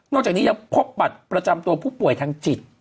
จากนี้ยังพบบัตรประจำตัวผู้ป่วยทางจิต